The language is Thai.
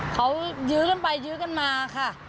เขายื้อกันไปยื้อกันมาค่ะ